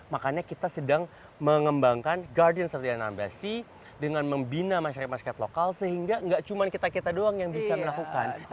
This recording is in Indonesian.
makanya kita sedang mengembangkan guardians of the anambas seas dengan membina masyarakat lokal sehingga tidak cuma kita kita doang yang bisa melakukan